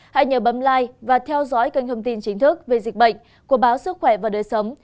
hãy nhờ bấm lai và theo dõi kênh thông tin chính thức về dịch bệnh của báo sức khỏe và đời sống